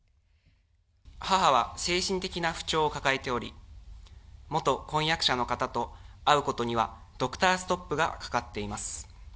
母は精神的な不調を抱えており、元婚約者の方と会うことには、ドクターストップがかかっています。